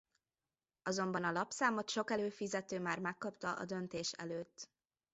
Azonban a lapszámot sok előfizető már megkapta a döntés előtt.